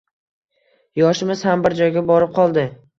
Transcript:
yoshimiz ham bir joyga borib qoldi